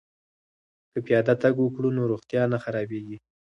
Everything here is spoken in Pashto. که پیاده تګ وکړو نو روغتیا نه خرابیږي.